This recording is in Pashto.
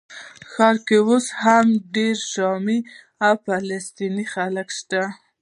ښار کې اوس هم ډېر شامي او فلسطیني خلک شته.